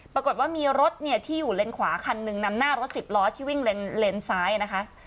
ปรากฏว่ามีรถเนี่ยที่อยู่เลนขวาคันหนึ่งนำหน้ารถสิบล้อที่วิ่งเลนซ้ายนะคะ